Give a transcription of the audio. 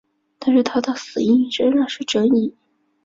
但是他的死因依然是争议。